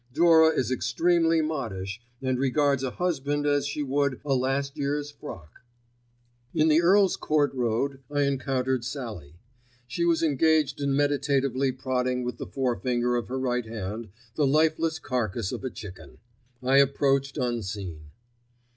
Dora is extremely modish and regards a husband as she would a last year's frock. In the Earl's Court Road I encountered Sallie. She was engaged in meditatively prodding with the forefinger of her right hand the lifeless carcass of a chicken. I approached unseen.